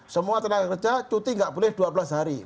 semua tenaga kerja cuti enggak boleh dua belas hari